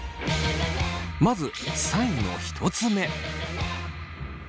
まず３位の１つ目。